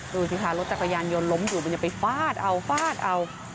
ดูสิคะรถจักรยานยนต์ล้มอยู่มันจะไปฟาดเอาฟาดเอา